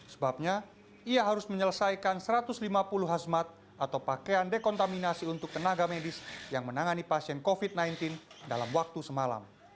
sebabnya ia harus menyelesaikan satu ratus lima puluh hazmat atau pakaian dekontaminasi untuk tenaga medis yang menangani pasien covid sembilan belas dalam waktu semalam